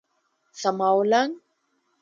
څماولنګ